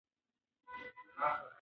موږ خپله پښتو ژبه په هره بیه ساتو.